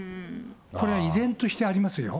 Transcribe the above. これは依然としてありますよ。